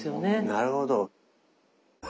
なるほど。